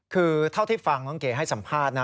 คือเท่าที่ฟังน้องเก๋ให้สัมภาษณ์นะ